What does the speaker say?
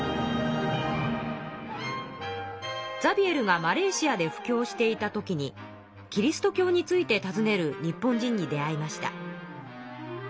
ザビエルがマレーシアで布教していた時にキリスト教についてたずねる日本人に出会いました。